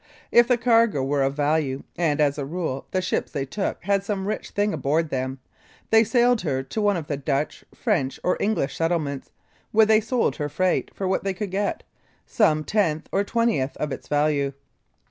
If the cargo were of value, and, as a rule, the ships they took had some rich thing aboard them, they sailed her to one of the Dutch, French or English settlements, where they sold her freight for what they could get some tenth or twentieth of its value.